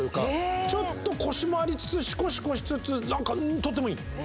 ちょっとコシもありつつシコシコしつつとてもいい。